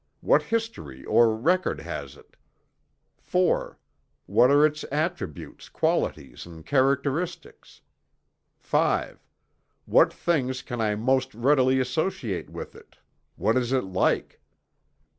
What history or record has it? IV. What are its attributes, qualities and characteristics? V. What things can I most readily associate with it? What is it like?